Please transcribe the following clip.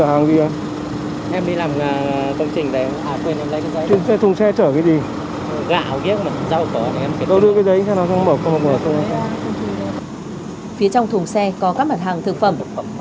phía trong thùng xe có các mặt hàng thực phẩm